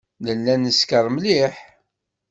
Nella neskeṛ mliḥ.